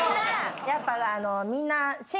やっぱ。